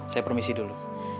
saya permisi dulu